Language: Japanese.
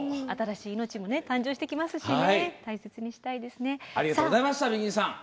新しい命も誕生してきますし大事にしていきたいですね。